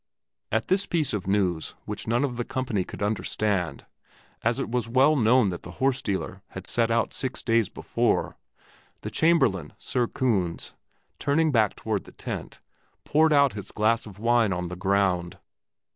At this piece of news, which none of the company could understand, as it was well known that the horse dealer had set out six days before, the Chamberlain, Sir Kunz, turning back toward the tent, poured out his glass of wine on the ground.